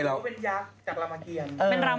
ก็เป็นยักษ์จากรามะเกียง